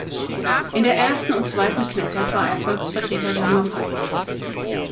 In der ersten und zweiten Knesset war er Volksvertreter der Mapai.